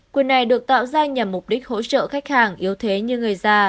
quyền này được tạo ra nhằm mục đích hỗ trợ khách hàng yếu thế như người già